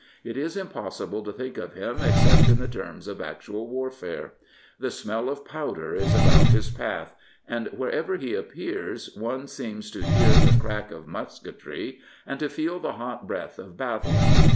It is impossible to think of him except in the terms oi actual warfare. The smell of powder is about his path, and wherever he appears one seems to hear the crack of musketry and to feel the hot breath of battle.